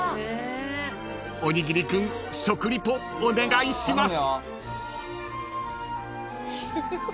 ［おにぎり君食リポお願いします］